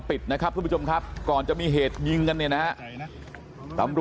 ปิดนะครับครับคุณผู้ชมครับก่อนจะมีเหตุยิงกันนะฮะ